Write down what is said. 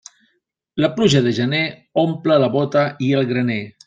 La pluja de gener omple la bóta i el graner.